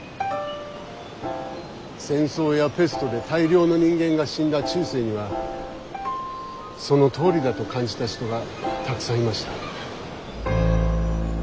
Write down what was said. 戦争やペストで大量の人間が死んだ中世にはそのとおりだと感じた人がたくさんいました。